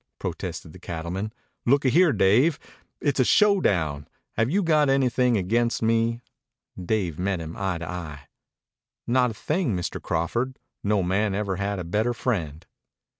protested the cattleman. "Looky here, Dave. It's a showdown. Have you got anything against me?" Dave met him eye to eye. "Not a thing, Mr. Crawford. No man ever had a better friend."